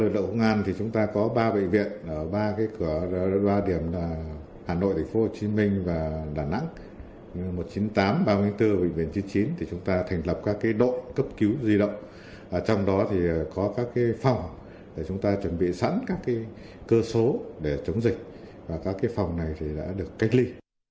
để chúng ta chuẩn bị sẵn các cơ số để chống dịch và các phòng này đã được cách ly